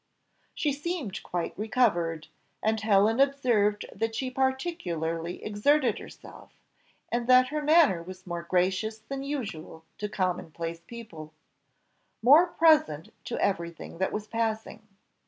She seemed quite recovered, and Helen observed that she particularly exerted herself, and that her manner was more gracious than usual to commonplace people more present to everything that was passing.